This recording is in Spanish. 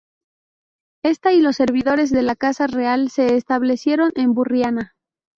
Esta y los servidores de la casa real se establecieron en Burriana.